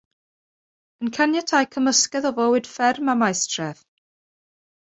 Yn caniatáu cymysgedd o fywyd fferm a maestref.